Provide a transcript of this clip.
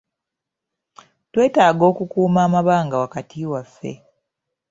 Twetaaga okukuuma amabanga wakati waffe.